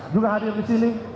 juga hadir di sini